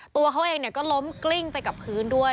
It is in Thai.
ตัวเขาเองก็ล้มกลิ้งไปกับพื้นด้วย